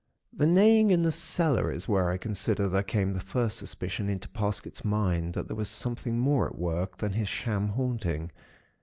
"The neighing in the cellar, is where I consider there came the first suspicion into Parsket's mind that there was something more at work than his sham haunting.